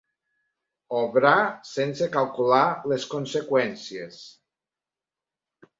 Obrar sense calcular les conseqüències.